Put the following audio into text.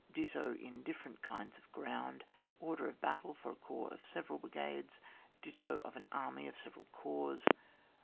Ditto in different kinds of ground. Order of battle for a corps of several brigades. Ditto of an army of several corps.